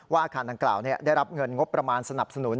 อาคารดังกล่าวได้รับเงินงบประมาณสนับสนุน